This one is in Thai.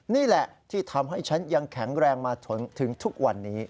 นี่แหละที่ทำให้ฉันยังแข็งแรงมาถึงทุกวันนี้